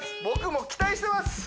僕も期待してます